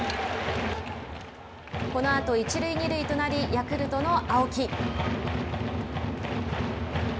このあと一塁二塁となりヤクルトの青木。